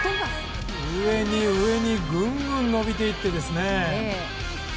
上に上にぐんぐん伸びていって。